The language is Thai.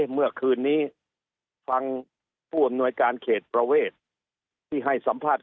เมื่อคืนนี้ฟังผู้อำนวยการเขตประเวทที่ให้สัมภาษณ์